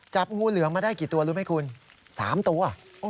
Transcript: จับงูเหลือมมาได้กี่ตัวรู้ไหมคุณ๓ตัว